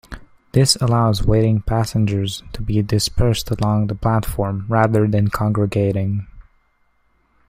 This allows waiting passengers to be dispersed along the platform rather than congregating.